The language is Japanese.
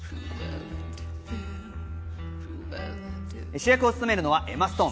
主役を務めるのはエマ・ストーン。